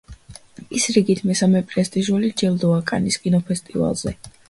ის რიგით მესამე პრესტიჟული ჯილდოა კანის კინოფესტივალზე.